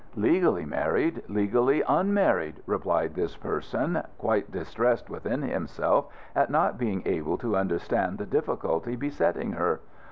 "Legally married, legally unmarried," replied this person, quite distressed within himself at not being able to understand the difficulty besetting her.